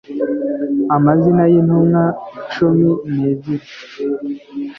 amazina y intumwa cumi n ebyiri